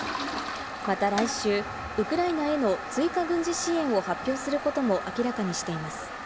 また来週、ウクライナへの追加軍事支援を発表することも明らかにしています。